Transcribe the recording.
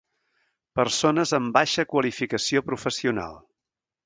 Persones amb baixa qualificació professional.